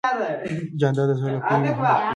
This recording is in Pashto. جانداد د زړه له کومې محبت کوي.